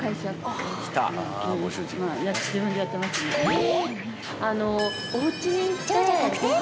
え。